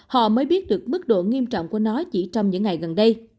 họ mới biết được mức độ nghiêm trọng của nó chỉ trong những ngày gần đây